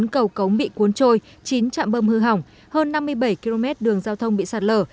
một trăm bốn mươi bốn cầu cống bị cuốn trôi chín trạm bâm hư hỏng hơn năm mươi bảy km đường giao thông bị sạt lở